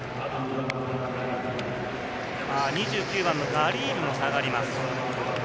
２９番のガリーブが下がります。